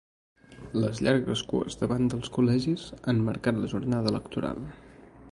Les llargues cues davant dels col·legis ha marcat la jornada electoral.